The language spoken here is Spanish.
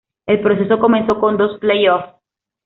El proceso comenzó con dos play-offs.